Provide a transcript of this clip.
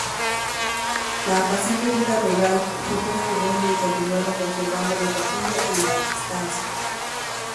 La apacible vida rural fue transcurriendo y continuaron conservando la capilla y la estancia.